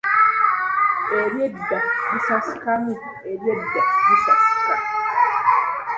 Ebyedda bisasika mu Ebyedda Bisasika